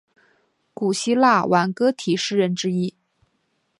古希腊挽歌体诗人之一。